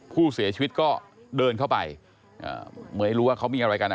ผู้เสียชีวิตก็เดินเข้าไปเหมือนไม่รู้ว่าเขามีอะไรกันอ่ะ